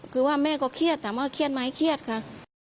คือว่าแม่ก็เครียดถามว่าเครียดไหมเครียดค่ะ